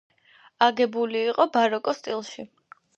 აგებული იყო ბაროკოს სტილში.